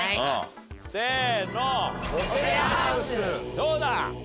どうだ？